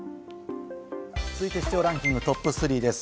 続いて視聴ランキング、トップ３です。